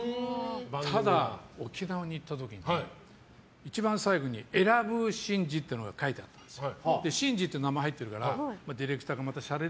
ただ、沖縄に行った時に一番最後にエラブー真司っていうのが書いてあったんですよ。